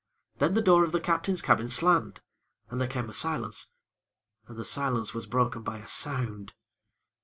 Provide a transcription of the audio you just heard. Then the door of the Captain's cabin slammed, and there came a silence, and the silence was broken by a sound.